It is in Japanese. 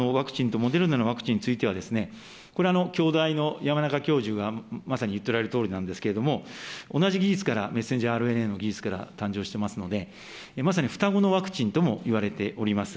モデルナのワクチンについては、これ、京大の山中教授がまさに言っておられるとおりなんですけれども、同じ技術からｍＲＮＡの誕生しておりますので、まさに双子のワクチンともいわれております。